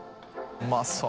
うまそう。